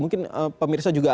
mungkin pemirsa juga bisa berlatih